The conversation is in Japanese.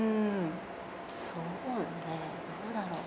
そうね、どうだろう？